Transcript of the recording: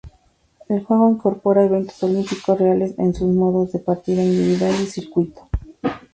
El juego incorpora eventos olímpicos reales en sus modos de Partida individual y Circuito.